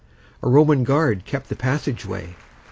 A Roman guard kept the passage way.